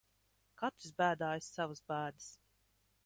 Katrs bēdājas savas bēdas.